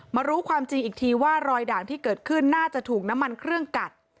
รู้ความจริงอีกทีว่ารอยด่างที่เกิดขึ้นน่าจะถูกน้ำมันเครื่องกัด